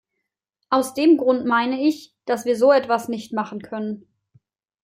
Aus dem Grund meine ich, dass wir so etwas nicht machen können.